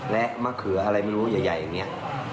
และมะเขืออะไรไม่รู้ใหญ่อย่างนี้